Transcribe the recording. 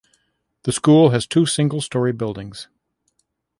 The school has two single storey building.